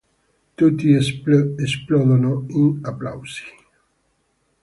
Tutti esplodono in applausi.